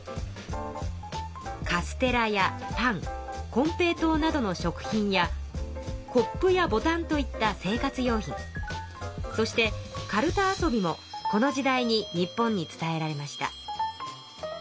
カステラやパンコンペイトウなどの食品やコップやボタンといった生活用品そしてカルタ遊びもこの時代に日本に伝えられました。